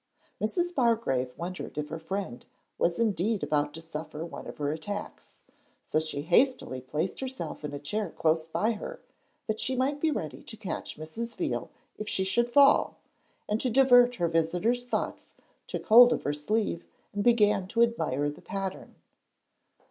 Mrs. Bargrave wondered if her friend was indeed about to suffer from one of her attacks. So she hastily placed herself in a chair close by her, that she might be ready to catch Mrs. Veal if she should fall, and, to divert her visitor's thoughts, took hold of her sleeve, and began to admire the pattern.